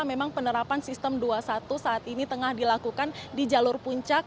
memang penerapan sistem dua puluh satu saat ini tengah dilakukan di jalur puncak